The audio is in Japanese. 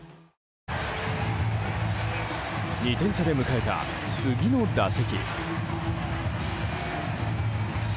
２点差で迎えた次の打席。